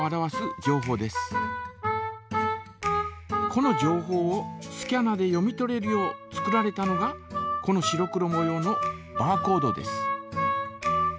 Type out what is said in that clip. この情報をスキャナで読み取れるよう作られたのがこの白黒もようのバーコードです。